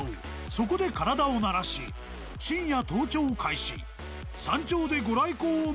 そこで体を慣らし、深夜、登頂開始。